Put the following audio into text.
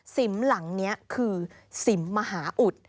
สิมหลังนี้คือสิมมหาอุด